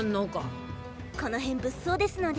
この辺物騒ですので。